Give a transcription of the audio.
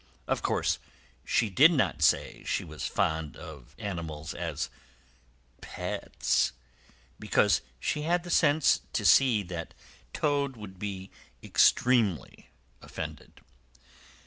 Of course, she did not say she was fond of animals as pets, because she had the sense to see that Toad would be extremely offended.